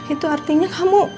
itu artinya kamu